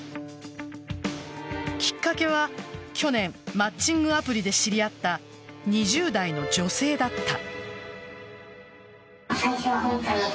きっかけは去年マッチングアプリで知り合った２０代の女性だった。